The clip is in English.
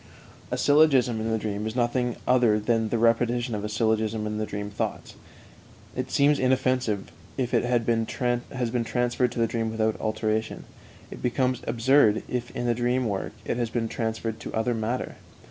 A syllogism in the dream is nothing other than the repetition of a syllogism in the dream thoughts; it seems inoffensive if it has been transferred to the dream without alteration; it becomes absurd if in the dream work it has been transferred to other matter.